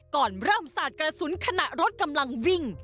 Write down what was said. ก่อนเริ่มสาดกระสุนขณะรถกำลังวิ่ง